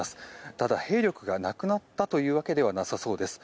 ただ、兵力がなくなったというわけではなさそうです。